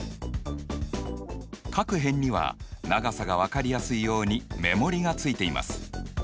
各辺には長さが分かりやすいようにメモリがついています。